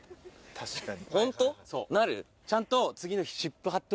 確かに。